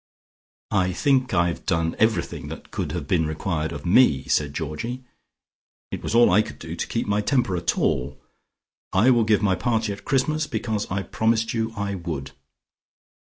"I think I've done everything that could have been required of me," said Georgie. "It was all I could do to keep my temper at all. I will give my party at Christmas, because I promised you I would."